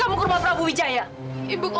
mereka ngaji mereka ke